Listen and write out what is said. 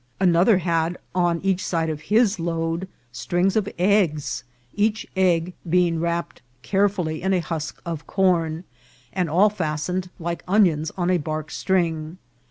Another had on each side of his load strings of eggs, each egg being wrapped carefully in a husk of cqrn, and all fastened like onions on a bark string.